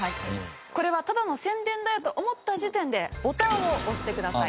これはただの宣伝だよと思った時点でボタンを押してください。